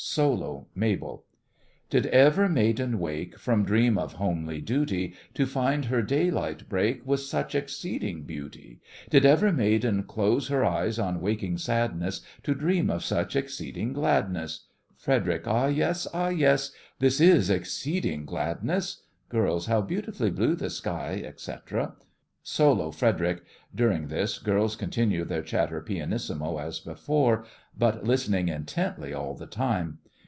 SOLO—MABEL Did ever maiden wake From dream of homely duty, To find her daylight break With such exceeding beauty? Did ever maiden close Her eyes on waking sadness, To dream of such exceeding gladness? FREDERIC: Ah, yes! ah, yes! this is exceeding gladness GIRLS: How beautifully blue the sky, etc. SOLO—FREDERIC .During this, GIRLS continue their chatter pianissimo as before, but listening intently all the time.